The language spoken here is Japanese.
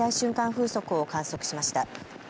風速を観測しました。